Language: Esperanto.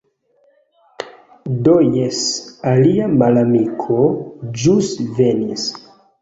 Do jes... alia malamiko ĵus venis.